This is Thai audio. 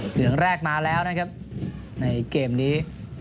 เหลืองแรกมาแล้วนะครับในเกมนี้